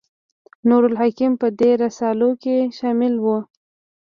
نور الحکم په دې رسالو کې شامل و.